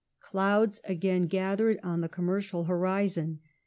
Clouds again gathered on the commercial horizon.